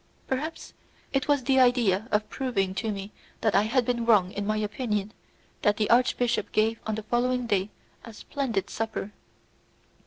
Perhaps it was with the idea of proving to me that I had been wrong in my opinion that the archbishop gave on the following day a splendid supper.